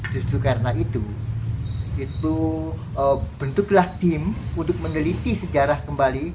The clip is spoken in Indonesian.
justru karena itu bentuklah tim untuk meneliti sejarah kembali